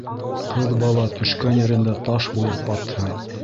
Ҡыҙ бала төшкән ерендә таш булып батһын.